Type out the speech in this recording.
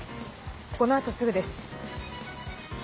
このあとすぐです。